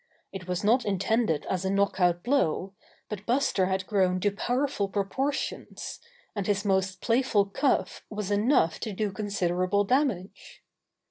It was not intended as a knock out blow, but Buster had grown to powerful proportions, and his most playful cuff was enough to do considerable damage.